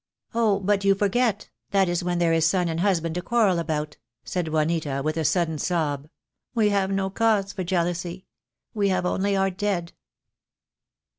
"Oh, but you forget. That is when there is a son and husband to quarrel about," said Juanita, with a sud den sob. "We have no cause for jealousy. We have only our dead."